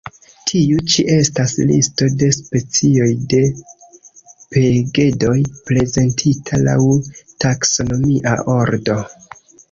Tiu ĉi estas listo de specioj de pegedoj, prezentita laŭ taksonomia ordo.